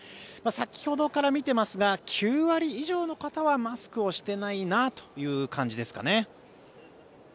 先ほどから見ていますが９割以上の方はマスクをしていないなという感じですかね。